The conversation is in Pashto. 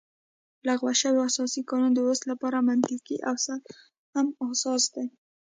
لغوه شوی اساسي قانون د اوس لپاره منطقي او سم اساس دی